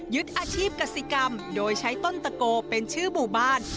อาชีพกษิกรรมโดยใช้ต้นตะโกเป็นชื่อหมู่บ้าน